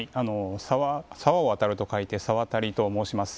沢を渡ると書いて沢渡と申します。